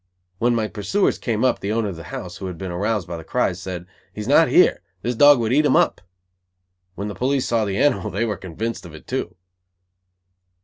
When my pursuers came up, the owner of the house, who had been aroused by the cries, said: "He is not here. This dog would eat him up." When the police saw the animal they were convinced of it too.